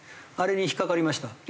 あれに引っかかりました。